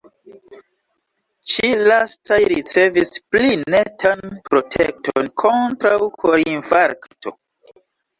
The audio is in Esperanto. Ĉi-lastaj ricevis pli netan protekton kontraŭ korinfarkto.